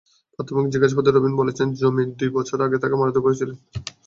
প্রাথমিক জিজ্ঞাসাবাদে রবিন বলেছেন, জমির দুই বছর আগে তাঁকে মারধর করতে চেয়েছিলেন।